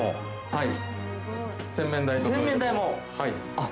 はい。